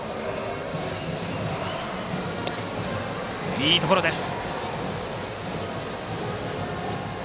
いいところです。